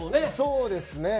そうですね。